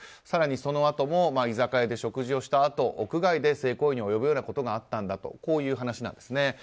更にそのあとも居酒屋で食事をしたあと屋外で性行為に及ぶようなことがあったんだとこういう話なんです。